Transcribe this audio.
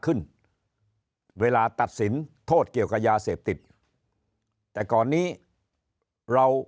ขึ้นเวลาตัดสินโทษเกี่ยวกับยาเสพติดแต่ก่อนนี้เรา